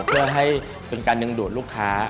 เพื่อให้เป็นการดึงดูดลูกค้า